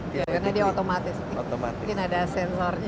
karena dia otomatis mungkin ada sensornya